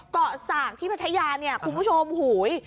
ส่างที่พัทยาเนี่ยคุณผู้ชมหูย